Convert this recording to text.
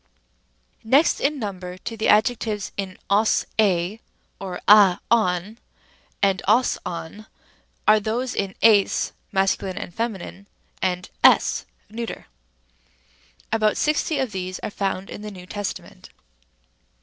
Rem. a. Next in number to the adjectives in os, 7 or a, ον, and os, ov, are those in ns (masc. and fem.), es (neut.). About sixty of these are found in the New Testament.